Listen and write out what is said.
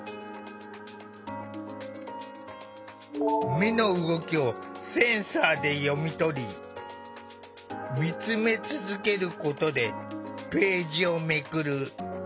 目の動きをセンサーで読み取り見つめ続けることでページをめくる。